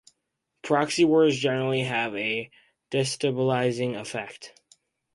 Proxy wars generally have a destabilizing effect.